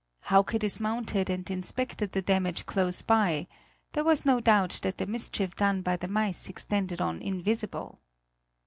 Hauke dismounted and inspected the damage close by: there was no doubt that the mischief done by the mice extended on invisible.